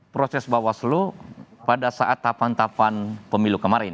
proses bawaslu pada saat tahapan tahapan pemilu kemarin